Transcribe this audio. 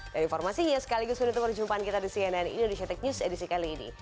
dan informasi ini sekaligus menutup perjumpaan kita di cnn indonesia tech news edisi kali ini